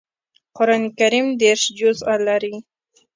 قران کریم دېرش جزء لري